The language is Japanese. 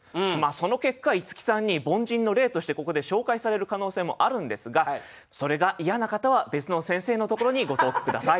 その結果いつきさんに凡人の例としてここで紹介される可能性もあるんですがそれが嫌な方は別の先生のところにご投句下さい。